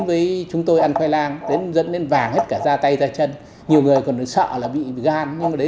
với chúng tôi ăn khoai lang dẫn đến vàng hết cả da tay da chân nhiều người còn phải sợ là bị gan nhưng mà đấy